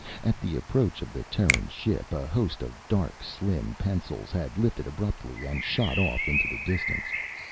At the approach of the Terran ship, a host of dark slim pencils had lifted abruptly and shot off into the distance.